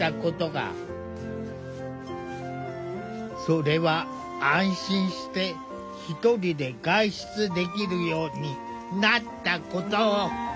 それは安心して一人で外出できるようになったこと。